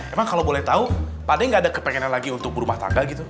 emang kalau boleh tahu pak de gak ada kepengen lagi untuk berumah tangga gitu